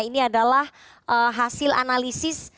ini adalah hasil analisis